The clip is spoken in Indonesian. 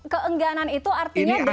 keengganan itu artinya dari